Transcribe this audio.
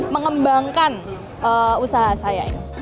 mengembangkan usaha saya